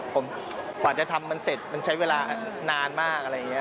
ผมกว่าจะทำมันเสร็จมันใช้เวลานานมากอะไรอย่างนี้